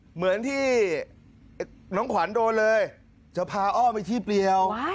เหมือนที่น้องขวัญโดนเลยจะพาอ้อมไปที่เปรียว